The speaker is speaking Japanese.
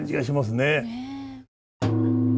ねえ。